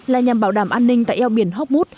là nhằm bảo đảm an ninh tại eo biển hoc mút